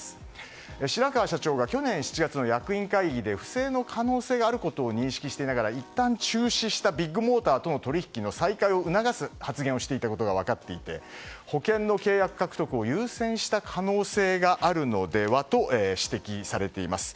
白川社長が去年７月の役員会議で不正の可能性があることを認識していながらいったん中断したビッグモーターとの取引再開を促す発言をしていたことが分かっていて、保険の契約獲得を優先した可能性があるのではと指摘されています。